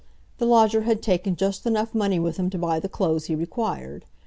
The lodger had taken just enough money with him to buy the clothes he required.